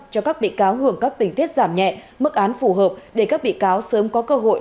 cho các bị cáo hưởng các tình tiết giảm nhẹ mức án phù hợp để các bị cáo sớm có cơ hội